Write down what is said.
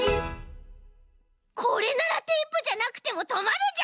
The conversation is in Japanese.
これならテープじゃなくてもとまるじゃん！